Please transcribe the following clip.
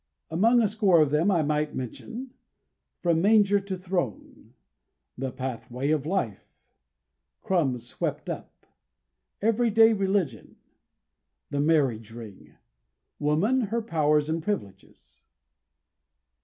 Among a score of them I might mention: From Manger to Throne; The Pathway of Life; Crumbs Swept Up; Every day Religion; The Marriage Ring; Woman: her Powers and Privileges.